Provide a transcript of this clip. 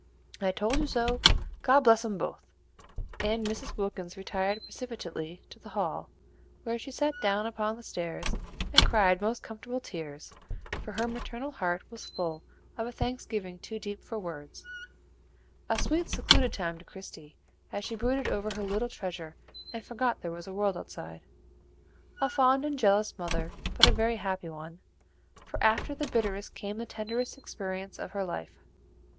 "I told you so; God bless 'em both!" and Mrs. Wilkins retired precipitately to the hall, where she sat down upon the stairs and cried most comfortable tears; for her maternal heart was full of a thanksgiving too deep for words. A sweet, secluded time to Christie, as she brooded over her little treasure and forgot there was a world outside. A fond and jealous mother, but a very happy one, for after the bitterest came the tenderest experience of her life.